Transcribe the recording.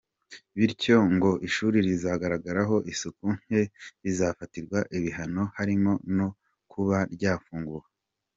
Bityo ngo ishuri rizagaragaraho isuku nke rizafatirwa ibihano harimo no kuba ryafungwa.